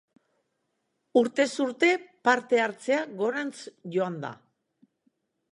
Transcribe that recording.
Urtez urte parte-hartzea gorantz joan da.